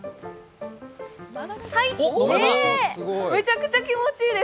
めちゃくちゃ気持ちいいです。